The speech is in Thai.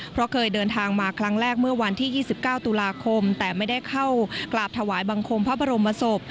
เพราะเคยเดินทางมาครั้งแรกเมื่อวันที่๒๙ตุลาคมแต่ไม่ได้เข้ากราบถวายบังคมพระบรมศพ